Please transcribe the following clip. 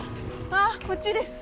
あぁこっちです。